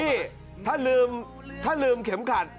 นี่ถ้าลืมถ้าลืมเข็มขัด